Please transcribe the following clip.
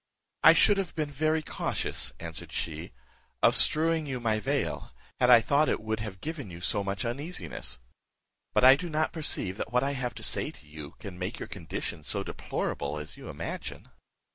"I should have been very cautious," answered she, "of strewing you my veil, had I thought it would have given you so much uneasiness; but I do not perceive that what I have to say to you can make your condition so deplorable as you imagine."